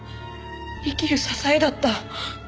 生きる支えだった。